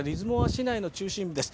市内の中心部です。